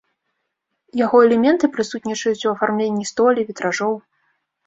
Яго элементы прысутнічаюць у афармленні столі, вітражоў.